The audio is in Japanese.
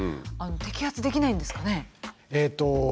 摘発できないんですかね？